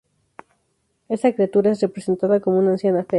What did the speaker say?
Esta criatura es representada como una anciana fea.